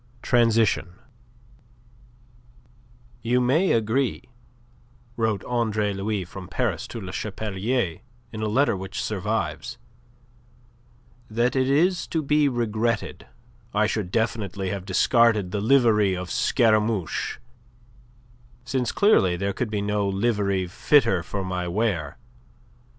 TRANSITION "You may agree," wrote Andre Louis from Paris to Le Chapelier, in a letter which survives, "that it is to be regretted I should definitely have discarded the livery of Scaramouche, since clearly there could be no livery fitter for my wear.